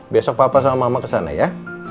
besok papa sama mama kesana ya